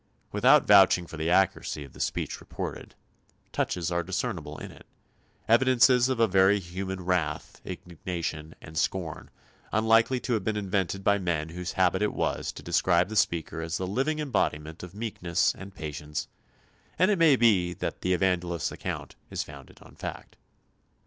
Without vouching for the accuracy of the speech reported, touches are discernible in it evidences of a very human wrath, indignation, and scorn unlikely to have been invented by men whose habit it was to describe the speaker as the living embodiment of meekness and patience, and it may be that the evangelist's account is founded on fact.